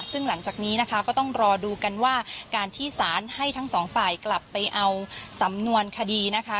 ซึ่งหลังจากนี้นะคะก็ต้องรอดูกันว่าการที่สารให้ทั้งสองฝ่ายกลับไปเอาสำนวนคดีนะคะ